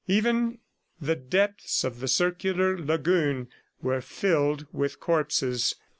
Even the depths of the circular lagoon were filled with corpses.